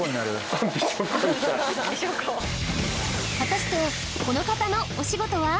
果たしてこの方のお仕事は？